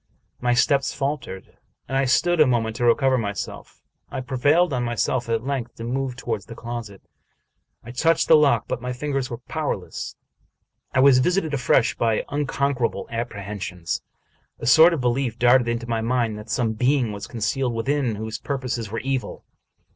My steps faltered, and I stood a moment to recover myself. I prevailed on myself at length to move toward the closet. I touched the lock, but my fingers were powerless ; I was visited afresh by unconquerable apprehensions. A sort of belief darted into my mind that some being was concealed within whose purposes were evil.